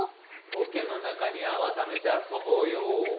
おけの中に泡ためて遊ぼうよ。